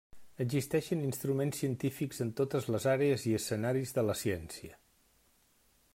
Existeixen instruments científics en totes les àrees i escenaris de la ciència.